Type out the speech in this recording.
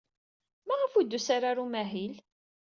Maɣef ur d-tusi ara ɣer umahil?